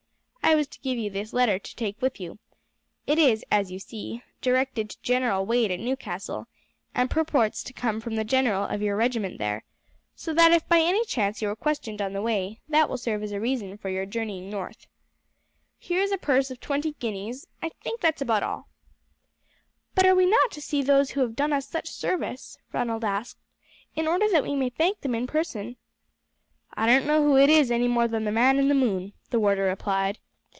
I was to give you this letter to take with you; it is, as you see, directed to General Wade at Newcastle, and purports to come from the colonel of your regiment here, so that if by any chance you are questioned on the way, that will serve as a reason for your journeying north. Here is a purse of twenty guineas; I think that's about all." "But are we not to see those who have done us such service," Ronald asked, "in order that we may thank them in person?" "I don't know who it is any more than the man in the moon," the warder replied.